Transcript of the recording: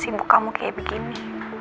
sibuk kamu kayak begini